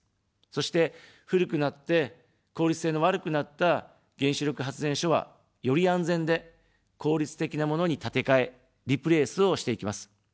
そして、古くなって効率性の悪くなった原子力発電所は、より安全で効率的なものに建て替え、リプレースをしていきます。